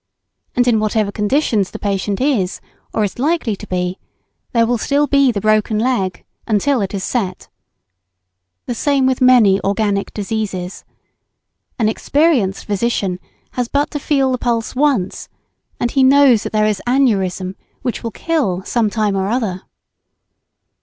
And in whatever conditions the patient is, or is likely to be, there will still be the broken leg, until it is set. The same with many organic diseases. An experienced physician has but to feel the pulse once, and he knows that there is aneurism which will kill some time or other.